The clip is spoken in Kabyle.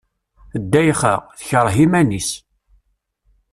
Ddayxa, tekreh iman-is.